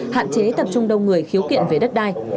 hạn chế tập trung đông người khiếu kiện về đất đai